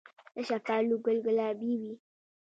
د شفتالو ګل ګلابي وي؟